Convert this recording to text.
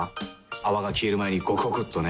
泡が消える前にゴクゴクっとね。